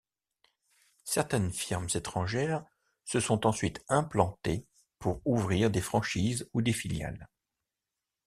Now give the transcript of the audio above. Certaines firmes étrangères se sont ensuite implantées pour ouvrir des franchises ou des filiales.